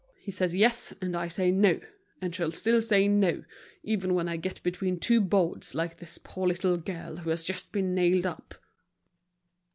He says "yes," and I say "no," and shall still say "no," even when I get between two boards like this poor little girl who has just been nailed up."